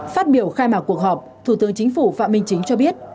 phát biểu khai mạc cuộc họp thủ tướng chính phủ phạm minh chính cho biết